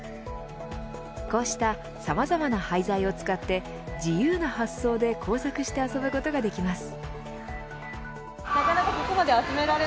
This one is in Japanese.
こうしたさまざまな廃材を使って自由な発想で工作して遊ぶことができます。